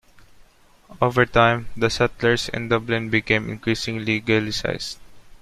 Over time, the settlers in Dublin became increasingly Gaelicized.